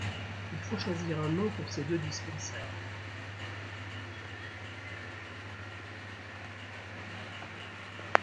Il faut choisir un nom pour ces deux dispensaires.